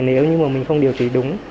nếu như mà mình không điều trị đúng